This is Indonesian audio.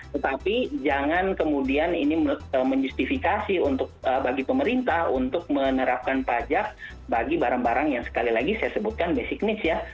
tetapi jangan kemudian ini menjustifikasi bagi pemerintah untuk menerapkan pajak bagi barang barang yang sekali lagi saya sebutkan basic needs ya